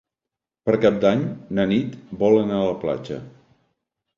Per Cap d'Any na Nit vol anar a la platja.